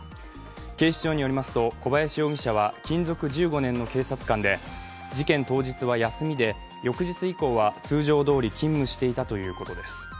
警視庁によりますと小林容疑者は勤続１５年の警察官で事件当日は休みで、翌日以降は通常どおり勤務していたということです。